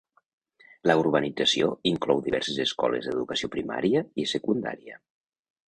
La urbanització inclou diverses escoles d'educació primària i secundària.